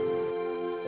udah ibu tenang aja ya